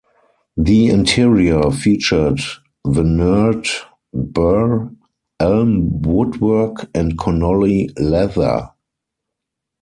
The interior featured veneered burr elm woodwork and Connolly leather.